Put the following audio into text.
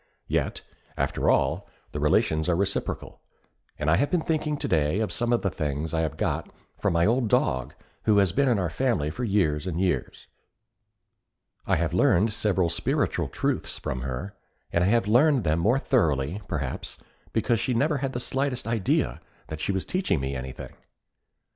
Yet, after all, the relations are reciprocal; and I have been thinking today of some of the things I have got from an old dog who has been in our family for years and years. I have learned several spiritual truths from her, and I have learned them more thoroughly, perhaps, because she never had the slightest idea that she was teaching me anything.